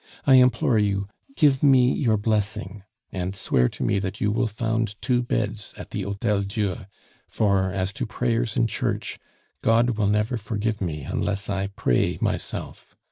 "I implore you, give me your blessing, and swear to me that you will found two beds at the Hotel Dieu for, as to prayers in church, God will never forgive me unless I pray myself.